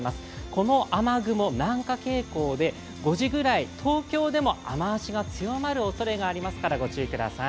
この雨雲、南下傾向で、５時ぐらい、東京でも雨足が強まるおそれがありますから、ご注意ください。